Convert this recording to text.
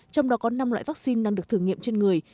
trong đó có năm loại vaccine đang được thử nghiệm trên người